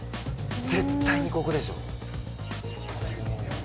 絶対にここでしょ。